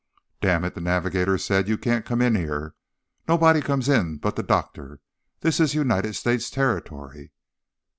"Damn it," the navigator said, "you can't come in here. Nobody comes in but the doctor. This is United States territory."